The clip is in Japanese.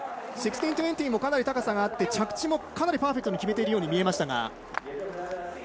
１６２０もかなり高さがあって着地もかなりパーフェクトに決めているように見えましたが。